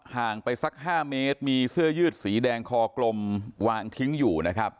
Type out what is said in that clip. ห่างไปสัก๕เมตรมีเสื้อยืดสีแดงคอกลมวางทิ้งอยู่นะครับ